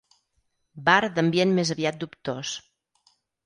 Bar d'ambient més aviat dubtós.